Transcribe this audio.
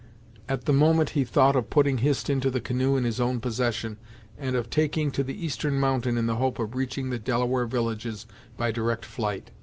At the moment he thought of putting Hist into the canoe in his own possession, and of taking to the eastern mountain in the hope of reaching the Delaware villages by direct flight.